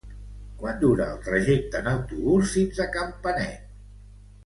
Quant dura el trajecte en autobús fins a Campanet?